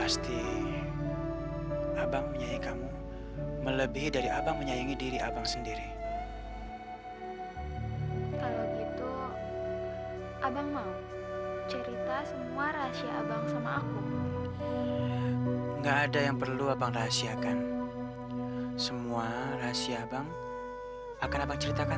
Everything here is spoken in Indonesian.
sampai jumpa di video selanjutnya